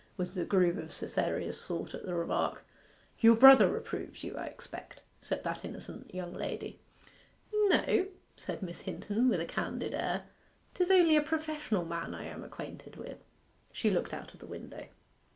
was the groove of Cytherea's thought at the remark. 'Your brother reproves you, I expect,' said that innocent young lady. 'No,' said Miss Hinton, with a candid air. ''Tis only a professional man I am acquainted with.' She looked out of the window.